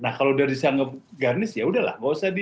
nah kalau udah disanggap garnish yaudah lah